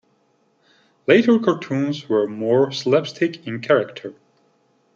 Later cartoons were more slapstick in character.